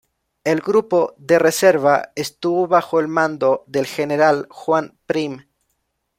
El grupo de reserva estuvo bajo el mando del general Juan Prim.